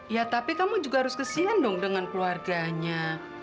ya tapi kamu juga harus kesingan dong dengan keluarganya